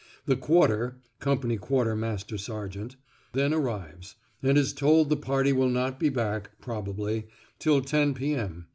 The "quarter" (company quartermaster sergeant) then arrives, and is told the party will not be back, probably, till 10.0 p.m.